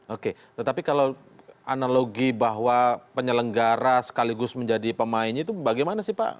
oke tetapi kalau analogi bahwa penyelenggara sekaligus menjadi pemainnya itu bagaimana sih pak